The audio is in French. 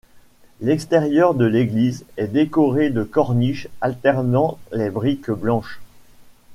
L'extérieur de l'église est décoré de corniches alternant les briques blanches.